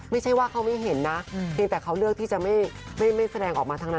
ไม่ใช่ว่าเขาไม่เห็นนะเพียงแต่เขาเลือกที่จะไม่แสดงออกมาทั้งนั้น